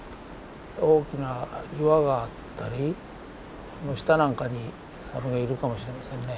大きな岩があったりこの下なんかにサメがいるかもしれませんね。